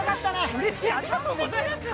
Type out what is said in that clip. うれしい、ありがとうございます。